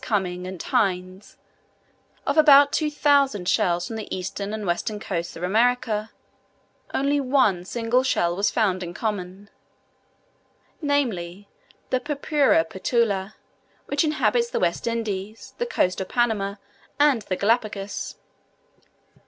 Cuming and Hinds of about 2000 shells from the eastern and western coasts of America, only one single shell was found in common, namely, the Purpura patula, which inhabits the West Indies, the coast of Panama, and the Galapagos.